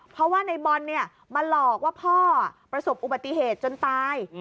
เพราะว่าในบอลมาหลอกว่าพ่อประสบอุบัติเหตุจนตาย